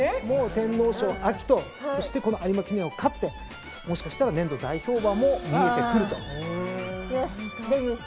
天皇賞とそしてこの有馬記念を勝ってもしかしたら年度代表馬も見えてくると。